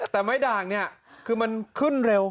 แต่ไม้ด่างเนี่ยคือมันขึ้นเร็ว